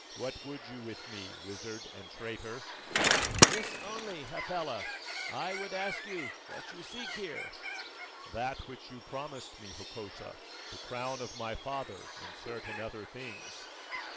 "What would you with me, wizard and traitor?" "This only, Hafela: I would ask you what you seek here?" "That which you promised me, Hokosa, the crown of my father and certain other things."